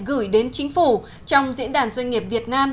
gửi đến chính phủ trong diễn đàn doanh nghiệp việt nam